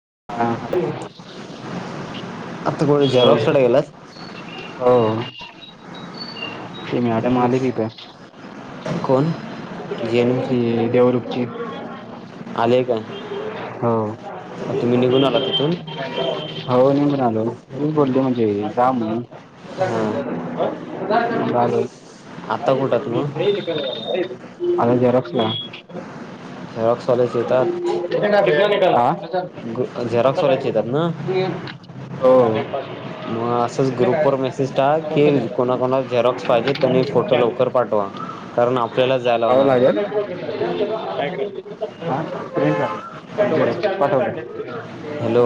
हा. [inaudible] आता कुठं झेरॉक्सक्सडे गेलास [inaudible] ती मॅडम आली तिथं कोण [unintelligible] ते जेएनएमचं देवरूखची आले काय अ, हो तुम्ही निघून आला तिथून हो मी पण आलो तू बोलते म्हणजे [unintelligible] तुम्ही हां जा घरी [unintelligible] [unintelligible] चालल आता कुठं आहात मग [unintelligible] आलो झेराॉक्सला झेरॉक्स वाल्याच्या हिथं [inaudible] झेरॉक्सवाल्याचा इथं ना हो मग असंच ग्रुपवरर मेसेज टाक की कोणाकोणाला झेरॉक्स पाहिजे त्यांनी फोटो लवकर टाकावं पाठवा कारण आपल्याला जाया लागणार आहे. लागेल [unintelligible] [unintelligible] हॅलो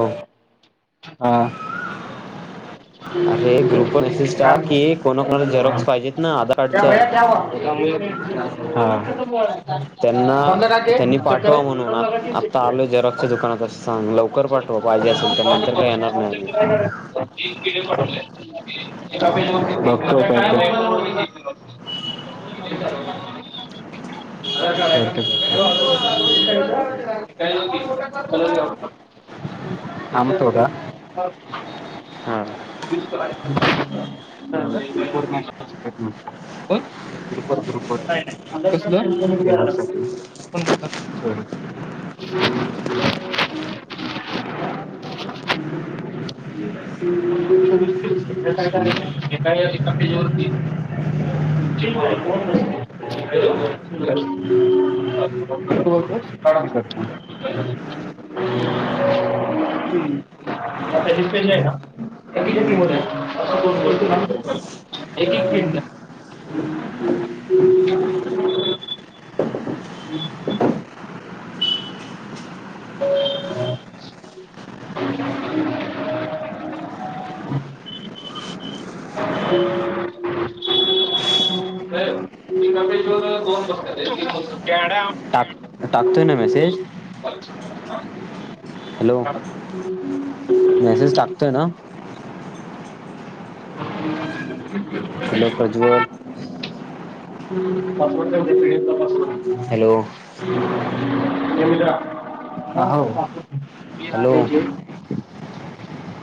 हा अरे ग्रुपवर मेसेज टाक की कोणाकोणाला झेरॉक्स पाहिजेत ना आधार त्या कार्डच्या भ्या वात त्यांना त्यांनी पाठवा म्हणून आ आत्ता आलोय झेरॉक्सच्या दुकानात असं सांग लवकर पाठवा पाहिजे असेल तर नंतर काही येणार नाही [unintelligible] [unintelligible] थांब थोडं आम्ही [unintelligible] [unintelligible] एका एका पेजवरती [unintelligible] [unintelligible] [inaudible] एक एक मिनटं [inaudible] [unintelligible] साहेब एका पेजवर दोनच बसतात. [unintelligible] टाकतोय ना मेसेज हॅलो [inaudible] मेसेज टाकतोय ना [inaudible] [unintelligible] hello Prajwal password [unintelligible] P D F चा पासवर्ड हॅलो. [unintelligible] आ होव पी आर हॅलो ए जे [unintelligible]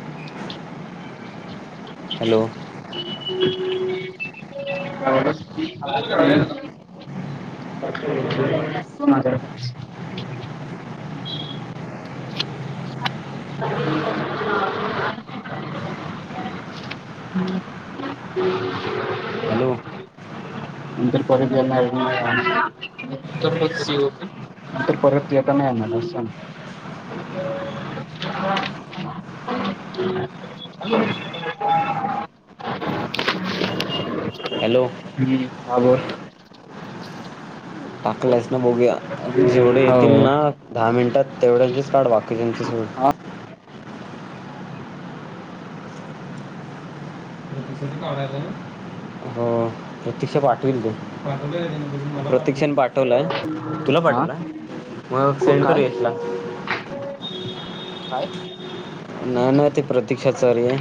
हॅलो [unintelligible] [unintelligible] हॅलो [unintelligible] नंतर परत येता नाय येणार अस सांगतोय. हॅलो. हॅलो [unintelligible] हा बोल. टाकलायस ना बघूया जेवढे येतील हो ना दहा मिनिटात तेवढ्यांचीच काढ बाकीच्यांची सोड. हा हो प्रत्यक्षा पाठवून दे [unintelligible] आ मग हो. सेंड कर काय? यशला काय? [unintelligible] ना ना ते प्रतीक्षा चारी हायं.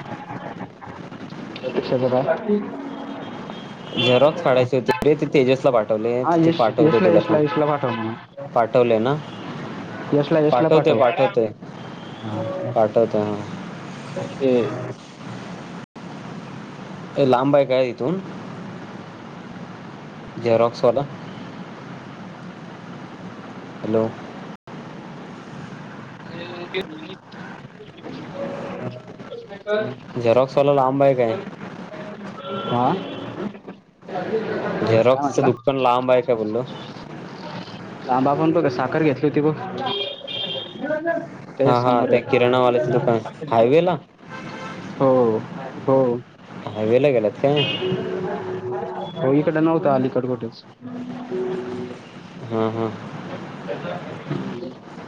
[unintelligible] झेरॉक्स काढायचे हुते ते तेजसला पाठ हा यश यशला यशला यशला पाठव ना पाठवले ना यशला यशला पाठवते पाठव पाठवते पाठवते हां [unintelligible] ते लांब हाय काय इथून? झेरॉक्सवाला हॅलो [unintelligible] [unintelligible] आ झेरॉक्सवाला लांब आहे काय [unintelligible] झेरॉक्सचं दुकान लांब हायं काय बोललो. थांबापून बघ साखर घेतलिवती बघ? [unintelligible] ते हां हां समोर त्या हायत. किराणावाल्याचं दुकान हायवेला हो. [unintelligible] हो. हायवेला गेलात काय [unintelligible] हो इकड नव्हता अलीकड कुठच. हा हा [unintelligible]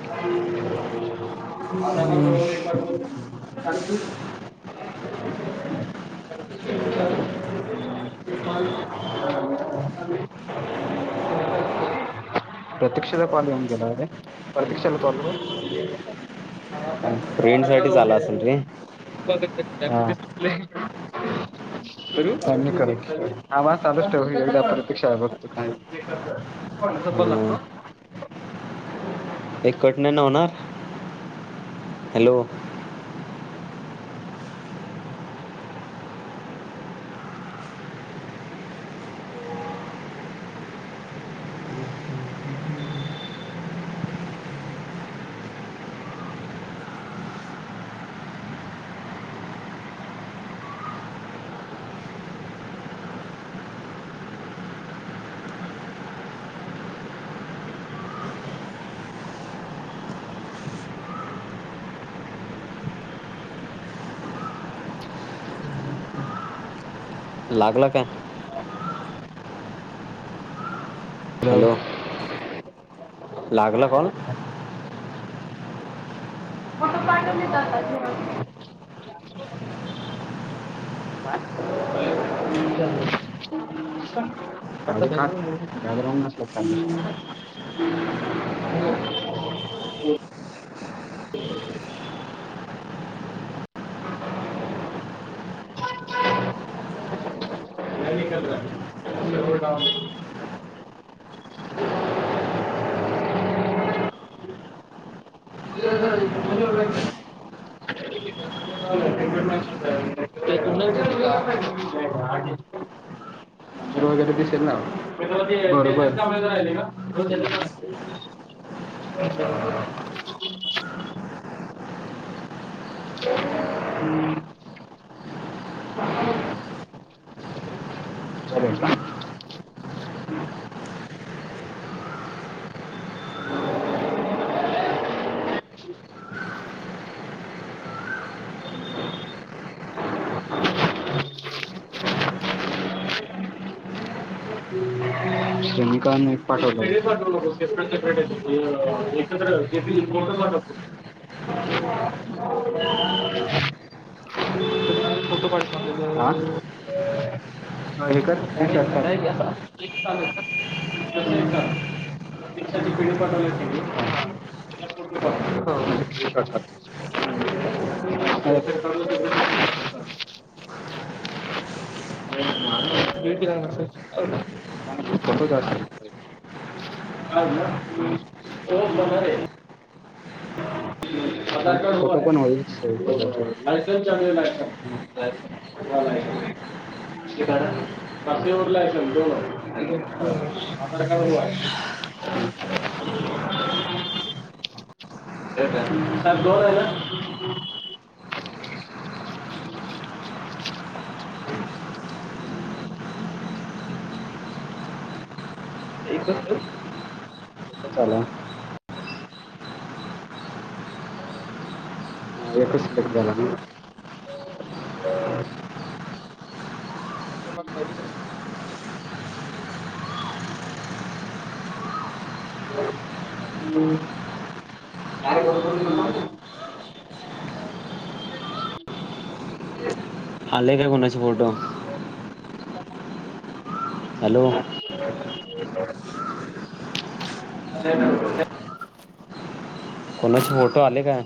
हम्म [unintelligible] प्रतीक्षेचा कॉल येऊन गेलाय काय प्रतिक्षेचा [unintelligible] रेंट साठी आला असेल रे [unintelligible] चालूच ठेवू प्रतक्षा आहे बघतो का अस पण लागत हं. एक कट नाही ना होणार? हॅलो [inaudible] [unintelligible] लागला काय? हॅलो [inaudible] लागला कॉल [unintelligible] ल [unintelligible] नंबर वगैरे दिसेल ना? [unintelligible] तुझा भेटला [unintelligible] फोटो पाठव त्याचे फोटो पाठवा हा [inaudible] हे कर स्क्रीन शॉट काढ. तू पाठवले [unintelligible] सेपरेट काढून ते चालेल. [unintelligible] कोणत टास्क [inaudible] तो बनणार आहे. लायसन चालू आहे लायसन [unintelligible] हम्म [inaudible] [unintelligible] एकच तर एकच आला माझं कसं एडिट झालं नाही? [unintelligible] चार बरोबर आले काय कोणाचे फोटो? हॅलो [inaudible] कोणाचे फोटो आले काय?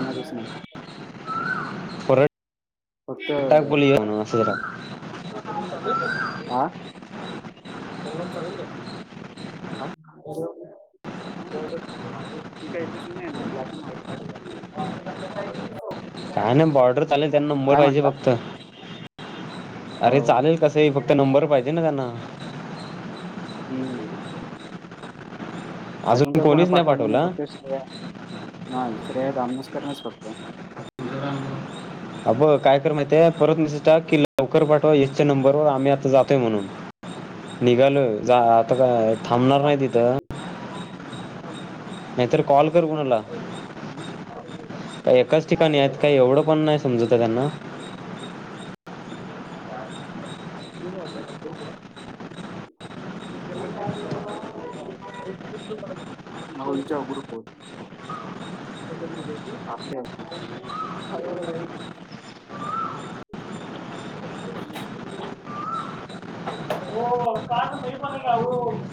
कोणाचेच नाही? [unintelligible] परत फक्त टाक बोलूया म्हण असं जरा हा काय ठीक आहे [unintelligible] काय नाही बॉर्डर चालेल त्यांना नंबर काय पाहिजे म्हटला फक्त. हो अरे चालेल कसही फक्त नंबर पाहिजे ना त्यांना? हम्म. अजून का कोणा पाठवलं नाही? फक्त श्रेया नाही श्रेयस धामनस करणच फक्त हा बग काय कर माहितये परत मॅसेज टाक की लवकर पाठवा यशच्या नंबरवर आम्ही आता जातोय म्हणून. निघालोय आता काय थांबणार नाही तिथं. नाहीतर कॉल कर कोणाला? का एकाच ठिकाणी आहेत काही एवढं पण नाही समजत त्यांना? दोन चार ग्रुप होत आपल्या [unintelligible] मी पण का ओ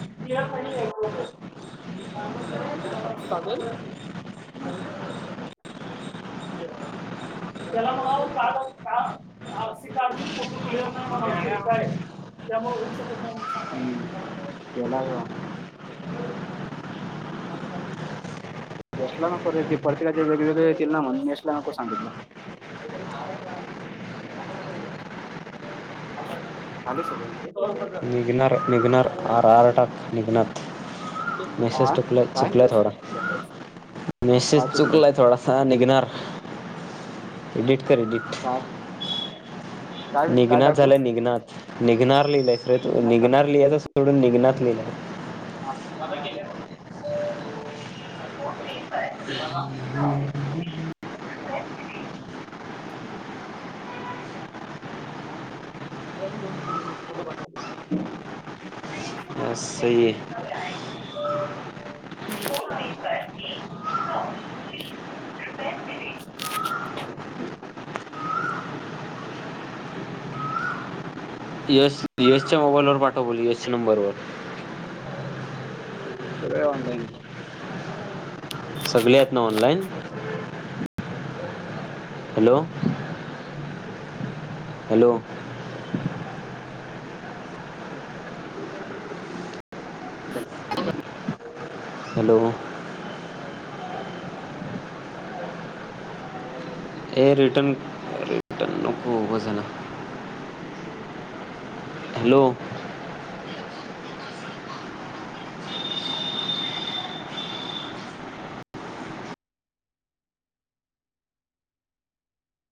[unintelligible] फोटो क्लियर नाही म्हणाव तिरका आहे त्यामुळे होऊ शकत नाही म्हणून सांगा केलाय बघा यशला नको रे ते प्रत्येकाचे वेगवेगळे येतील ना म्हण यशला नको सांगितलं. आलंय सगळं तिथं? निघणार निघणार आर आर टाक निघणार हा मेसेज टाकलेत. काय चुकलय थोडं मॅसेज काय चुकलं चुकलाय थोडासा निघणार. एडिट कर एडिट. काय काय काय निघनात टाकू झालंय निघनात. निघणात ह [unintelligible] निघणार का? निघाणार लिहत [unintelligible] दोन फोटो पाठव या सही ये..... यश यशच्या मोबाईल वर पाठव बोल यशच्या नंबर वर... सगळे ऑनलाईन सगले आहेत ना ऑनलाइन. हॅलो हॅलो हॅलो हे रिटन रिटन न [unintelligible] खूपज आहे ना हॅलो......